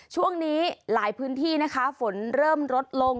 ช่วงนี้หลายพื้นที่นะคะฝนเริ่มลดลง